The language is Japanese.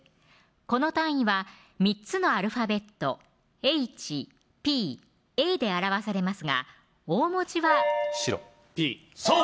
この単位は３つのアルファベットｈ・ｐ・ａで表されますが大文字は白Ｐそう